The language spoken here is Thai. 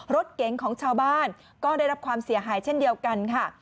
รถเก๋งของชาวบ้านก็ได้รับความเสียหายเช่นเดียวกันค่ะ